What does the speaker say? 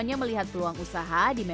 ya sekitar enam bulanan